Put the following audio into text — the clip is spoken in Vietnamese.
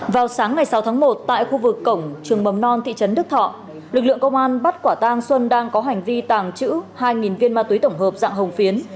vào sáng ngày sáu tháng một tại khu vực cổng trường mầm non thị trấn đức thọ lực lượng công an bắt quả tang xuân đang có hành vi tàng trữ hai viên ma túy tổng hợp dạng hồng phiến